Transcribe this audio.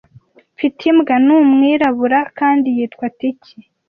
Mfite imbwa. Ni umwirabura kandi yitwa Tiki.